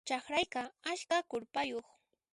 Chakrayqa askha k'urpayuq.